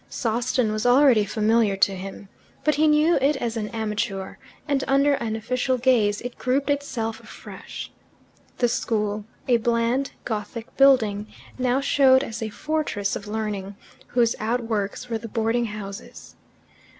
Sawston was already familiar to him. But he knew it as an amateur, and under an official gaze it grouped itself afresh. The school, a bland Gothic building, now showed as a fortress of learning, whose outworks were the boarding houses.